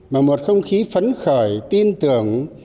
mà một không khí phấn khởi tin tưởng